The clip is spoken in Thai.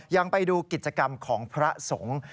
ยังไปดูกิจกรรมของพระสงฆ์